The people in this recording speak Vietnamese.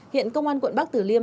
hiện công an quận bắc tử liêm